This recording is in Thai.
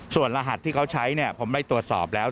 ส่วนรหัสที่เขาใช้เนี่ยผมได้ตรวจสอบแล้ว